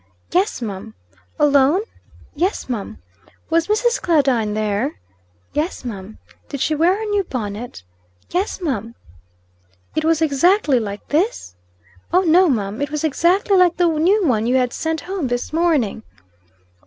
"Yes, mum." "Alone." "Yes, mum." "Was Mrs. Claudine there?" "Yes, mum." "Did she wear her new bonnet?" "Yes, mum." "It was exactly like this?" "Oh, no, mum, it was exactly like the new one you had sent home this morning."